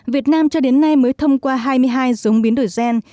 việt nam cho đến nay mới thông qua hai mươi hai giống biến đổi gen